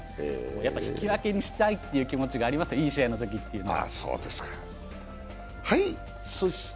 引き分けにしたいという気持ちがあります、いい試合のときは。